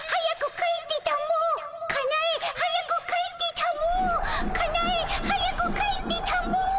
かなえ早く帰ってたも！